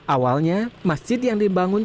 awalnya masjid yang dibangun